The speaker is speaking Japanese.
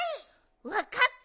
わかった！